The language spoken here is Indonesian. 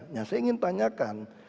nah saya ingin tanyakan